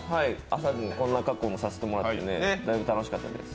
朝にこんな格好もさせていただいて楽しかったです。